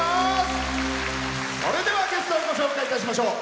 それでは、ゲストをご紹介いたしましょう。